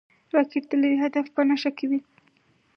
راکټ د لرې هدف په نښه کوي